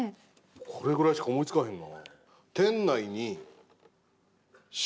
これぐらいしか思いつかへんな。